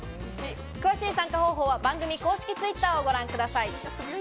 詳しい参加方法は番組公式Ｔｗｉｔｔｅｒをご覧ください。